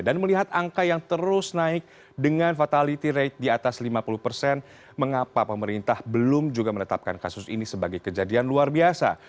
dan melihat angka yang terus naik dengan fatality rate di atas lima puluh persen mengapa pemerintah belum juga menetapkan kasus ini sebagai kejadian luar biasa